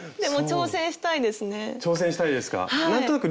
挑戦したいですか？